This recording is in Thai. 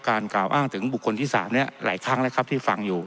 กล่าวอ้างถึงบุคคลที่๓หลายครั้งแล้วครับที่ฟังอยู่